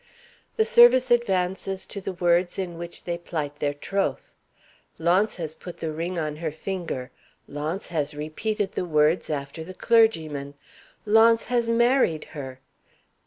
The service advances to the words in which they plight their troth. Launce has put the ring on her finger. Launce has repeated the words after the clergyman. Launce has married her!